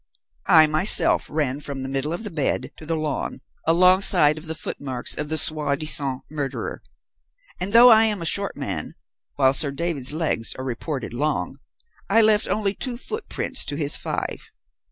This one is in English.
I, myself, ran from the middle of the bed, to the lawn, alongside of the footmarks of the soi disant murderer, and though I am a short man, while Sir David's legs are reported long, I left only two footprints to his five.